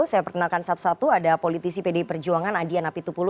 saya perkenalkan satu satu ada politisi pdi perjuangan adian apitupulu